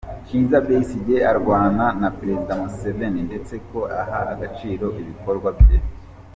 Kizza Besigye arwana na Perezida Museveni ndetse ko aha agaciro ibikorwa bye.